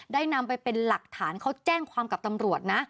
นำไปเป็นหลักฐานเขาแจ้งความกับตำรวจนะ